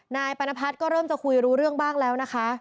นายปรณพัฒน์ก็เริ่มจะคุยรู้เรื่องบ้างแล้วนะคะ